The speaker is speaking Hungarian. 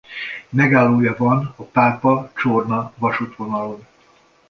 Megállója van a Pápa–Csorna-vasútvonalon.